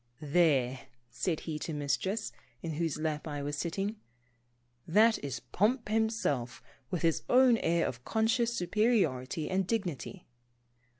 "There," said he to Mistress, in 194 Pomposity. 195 whose lap I was sitting, "that is Pomp himself with his own air of conscious superiority and dig nity."